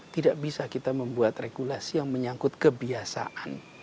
tidak bisa kita membuat regulasi yang menyangkut kebiasaan